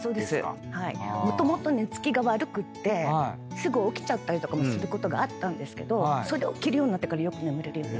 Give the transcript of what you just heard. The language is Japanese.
すぐ起きちゃったりとかもすることがあったんですけどそれを着るようになってからよく眠れるようになった。